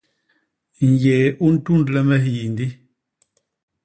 Nyéé u ntundle me hiyindi.